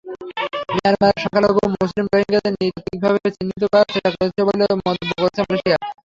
মিয়ানমারের সংখ্যালঘু মুসলিম রোহিঙ্গাদের নৃতাত্ত্বিকভাবে নিশ্চিহ্ন করার চেষ্টা চলছে বলে মন্তব্য করেছে মালয়েশিয়া।